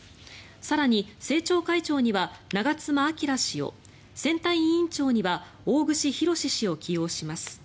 更に政調会長には長妻昭氏を選対委員長には大串博志氏を起用します。